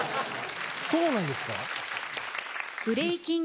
そうなんですか？